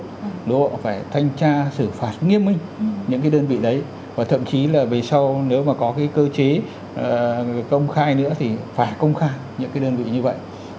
các đối phải thanh tra xử phạt nghiêm minh những cái đơn vị đấy và thậm chí là về sau nếu mà có cái cơ chế công khai nữa thì phải công khai những cái đơn vị như vậy